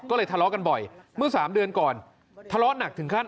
ก็เลยทะเลาะกันบ่อยเมื่อ๓เดือนก่อนทะเลาะหนักถึงขั้น